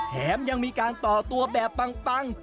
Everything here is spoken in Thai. แถมยังมีการต่อตัวแบบปัง